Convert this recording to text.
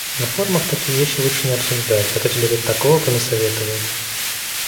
На форумах такие вещи лучше не обсуждать, а то тебе тут такого понасоветовают.